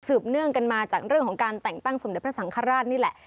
เนื่องกันมาจากเรื่องของการแต่งตั้งสมเด็จพระสังฆราชนี่แหละ